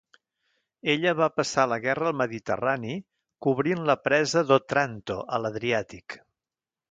Ella va passar la guerra al Mediterrani, cobrint la presa d'Otranto a l'Adriàtic.